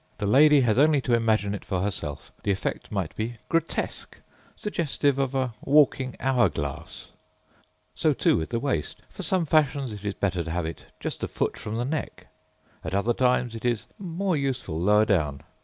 The lady has only to imagine it for herself: the effect might be grotesque, suggestive of a walking hour glass. So, too, with the waist. For some fashions it is better to have it just a foot from the neck. At other times it is more useful lower down.